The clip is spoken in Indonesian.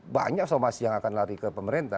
banyak somasi yang akan lari ke pemerintah